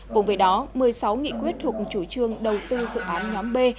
cùng với đó một mươi sáu nghị quyết thuộc chủ trương đầu tư dự án nhóm b